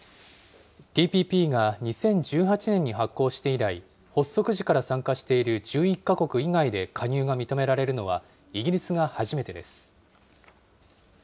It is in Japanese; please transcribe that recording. ＴＰＰが２０１８年に発効して以来、発足時から参加している１１か国以外で加入が認められるのはイギリスが初めてです。